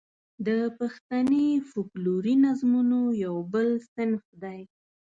د پښتني فوکلوري نظمونو یو بل صنف دی.